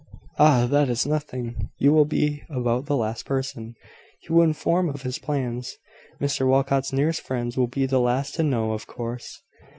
"Ah! that is nothing. You will be about the last person he will inform of his plans. Mr Walcot's nearest friends will be the last to know, of course."